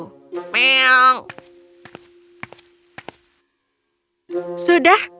sudah kau bisa menjadi ratu merah